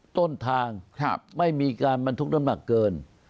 ต้นทางไม่มีการบรรทุกน้ำหนักเกิน